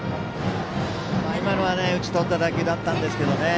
今のは打ち取った打球だったんですけどね。